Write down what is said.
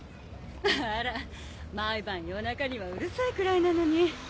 あら毎晩夜中にはうるさいくらいなのに。